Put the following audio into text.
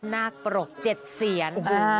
หน้าปรก๗เสียน